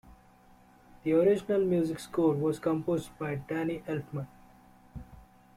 The original music score was composed by Danny Elfman.